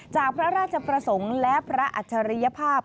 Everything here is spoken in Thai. จากพระราชประสงค์และพระอัจฉริยภาพ